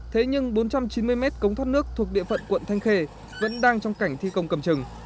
thế nhưng bốn trăm chín mươi mét cống thoát nước thuộc địa phận quận thanh khê vẫn đang trong cảnh thi công cầm trừng